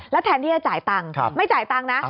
แทนที่จะจ่ายตังค์ไม่จ่ายตังค์นะ